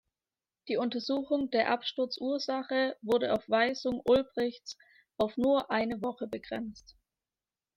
Die Untersuchung der Absturzursache wurde auf Weisung Ulbrichts auf nur eine Woche begrenzt.